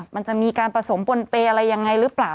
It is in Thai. มันจะมีการผสมปนเปย์อะไรยังไงหรือเปล่า